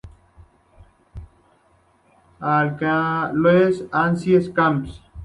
Les Ancizes-Comps